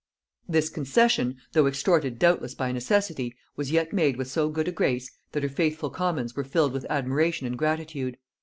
This concession, though extorted doubtless by necessity, was yet made with so good a grace, that her faithful commons were filled with admiration and gratitude.